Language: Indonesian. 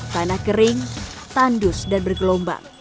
tanah kering tandus dan bergelombang